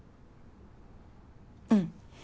うん。